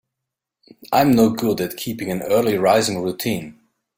I'm no good at keeping an early rising routine.